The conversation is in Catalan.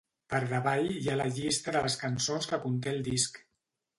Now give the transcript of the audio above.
Per davall hi ha la llista de les cançons que conté el disc.